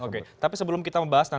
oke tapi sebelum kita membahas